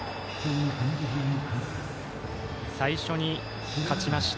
最初に勝ちました